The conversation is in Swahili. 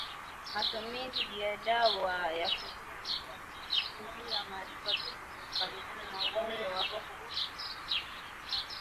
Matumizi ya dawa za kuulia wadudu hukabiliana na ugonjwa wa ukurutu